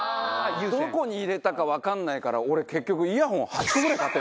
どこに入れたかわかんないから俺結局イヤホン８個ぐらい買ってるんですよ。